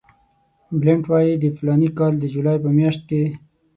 بلنټ وایي د فلاني کال د جولای په میاشت کې.